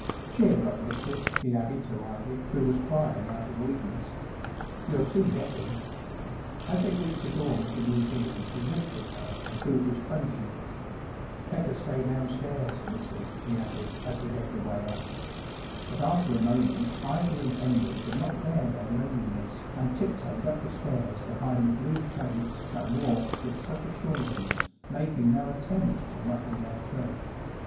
Cheer up, missy," he added to Ivy, who was crying out of weakness. 44 We’ll soon get him." As they reached the door of the museum he winked at her and drew his truncheon. 44 Better stay down¬ stairs, missy," he added, as he led the way up. But after a moment Ivy and Henry could not bear their loneliness, and tip toed up the stairs behind the blue shapes that walked with such assurance, making no attempt to muffle their tread.